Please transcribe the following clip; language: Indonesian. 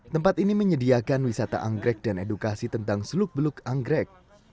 tempat ini menyediakan wisata anggrek dan edukasi tentang seluk beluk anggrek